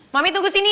mami tunggu sini ya